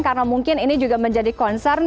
karena mungkin ini juga menjadi concern